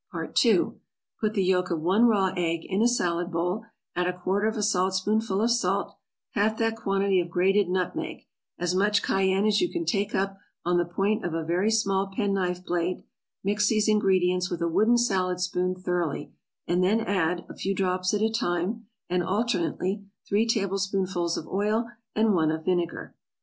PART 2. Put the yolk of one raw egg in a salad bowl, add a quarter of a saltspoonful of salt, half that quantity of grated nutmeg, as much cayenne as you can take up on the point of a very small pen knife blade; mix these ingredients with a wooden salad spoon thoroughly, and then add, a few drops at a time and alternately, three tablespoonfuls of oil, and one of vinegar.